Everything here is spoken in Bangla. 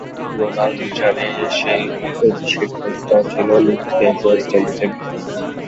রোনাল্ড বুচারের সেই অভিষেক টেস্টটাও ছিল নিজ দেশ ওয়েস্ট ইন্ডিজের বিপক্ষে।